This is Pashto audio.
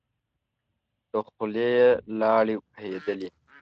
له خولی يې لاړې بهېدلې.